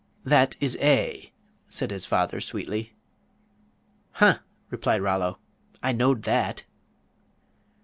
"That is A," said his father, sweetly. "Huh," replied Rollo, "I knowed that."